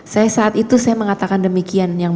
saya saat itu saya mengatakan demikian yang